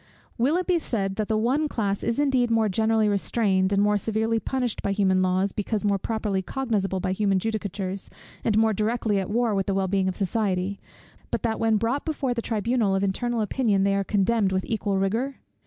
Will it be said, that the one class is indeed more generally restrained, and more severely punished by human laws, because more properly cognizable by human judicatures, and more directly at war with the well being of society; but that when brought before the tribunal of internal opinion they are condemned with equal rigour?